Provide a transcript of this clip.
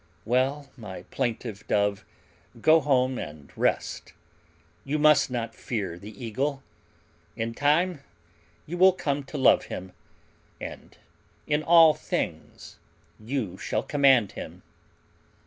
"Well, my plaintive dove, go home and rest. You must not fear the eagle. In time you will come to love him, and in all things you shall command him."